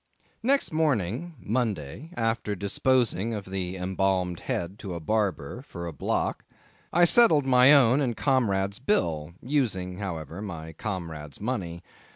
Next morning, Monday, after disposing of the embalmed head to a barber, for a block, I settled my own and comrade's bill; using, however, my comrade's money.